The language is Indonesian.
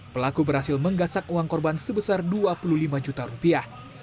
pelaku berhasil menggasak uang korban sebesar dua puluh lima juta rupiah